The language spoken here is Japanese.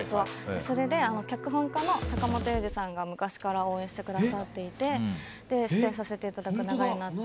それで、脚本家の方が昔から応援してくださっていて出演させていただく流れになって。